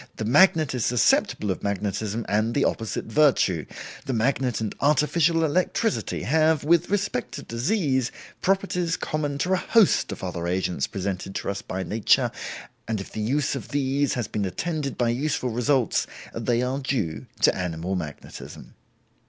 The magnet is susceptible of magnetism and the opposite virtue. The magnet and artificial electricity have, with respect to disease, properties common to a host of other agents presented to us by nature, and if the use of these has been attended by useful results, they are due to animal magnetism.